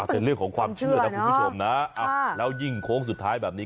เป็นเรื่องของความเชื่อนะคุณผู้ชมนะแล้วยิ่งโค้งสุดท้ายแบบนี้